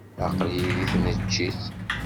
Aql-iyi deg tneččit.